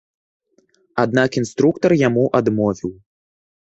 Аднак інструктар яму адмовіў.